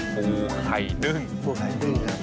ปูไข่ดึ้งปูไข่ดึ้งครับ